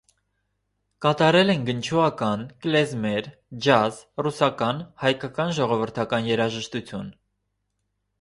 Կատարել են գնչուական, կլեզմեր, ջազ, ռուսական, հայկական ժողովրդական երաժշտություն։